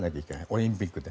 オリンピックで。